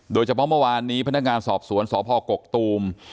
โดยเฉพาะเมื่อวานนี้พนักงานสอบสวนสพกกตูม